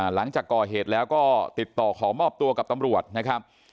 หลังจากก่อเหตุแล้วก็ติดต่อขอมอบตัวกับตำรวจนะครับ